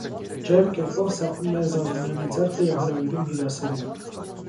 Ջերմ կերպով սեղմում է Զազունյանի ձեռքը և հրավիրում հյուրասենյակ: